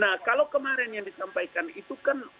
nah kalau kemarin yang disampaikan itu kan